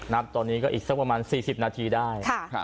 นับตอนนี้ก็อีกสักประมาณสี่สิบนาทีได้ครับ